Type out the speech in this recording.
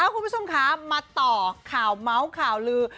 คุณผู้ชมคะมาต่อข่าวเมาส์ข่าวลือ